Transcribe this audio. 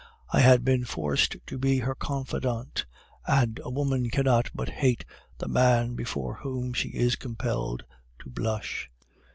I had been forced to be her confidant, and a woman cannot but hate the man before whom she is compelled to blush.